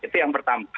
itu yang pertama